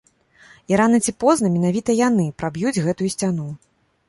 І рана ці позна менавіта яны праб'юць гэтую сцяну!